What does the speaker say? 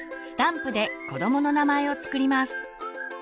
スタンプで子どもの名前を作ります。